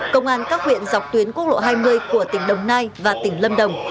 công an các huyện dọc tuyến quốc lộ hai mươi của tỉnh đồng nai và tỉnh lâm đồng